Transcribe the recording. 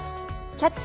「キャッチ！